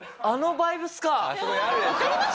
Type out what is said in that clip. あのバイブスか！